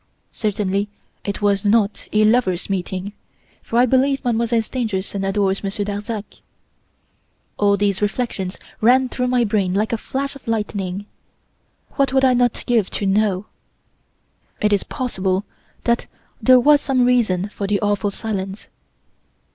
Certainly it was not a lover's meeting, for I believe Mademoiselle Stangerson adores Monsieur Darzac. "All these reflections ran through my brain like a flash of lightning. What would I not give to know! "It is possible that there was some reason for the awful silence.